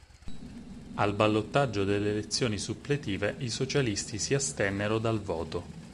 Al ballottaggio delle elezioni suppletive i socialisti si astennero dal voto.